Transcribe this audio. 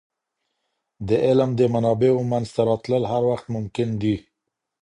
د علم د منابعو منځته راتلل هر وخت ممکن دی.